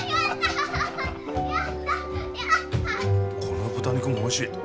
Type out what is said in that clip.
この豚肉もおいしい。